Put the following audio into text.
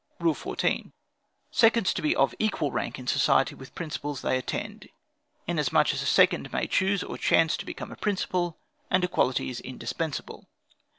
"Rule 14. Seconds to be of equal rank in society with the principals they attend, inasmuch as a second may choose or chance to become a principal, and equality is indispensable.